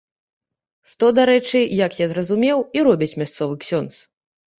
Што, дарэчы, як я зразумеў, і робіць мясцовы ксёндз.